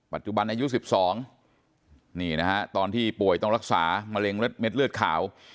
ปัจจุบันอายุสิบสองนี่นะฮะตอนที่ป่วยต้องรักษามะเร็งเม็ดเลือดขาว